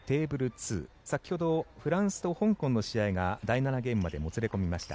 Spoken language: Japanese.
２先ほどフランスと香港の試合が第７ゲームまでもつれ込みました。